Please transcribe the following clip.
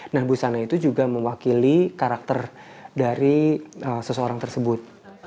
nah busana itu juga mewakili karakter dari seseorang tersebut